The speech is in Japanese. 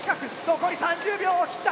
残り３０秒を切った！